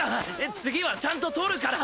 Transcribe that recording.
次はちゃんと撮るから！